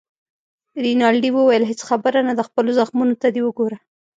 رینالډي وویل: هیڅ خبره نه ده، خپلو زخمو ته دې وګوره.